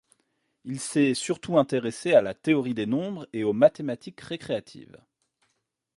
Il s'est surtout intéressé à la théorie des nombres et aux mathématiques récréatives.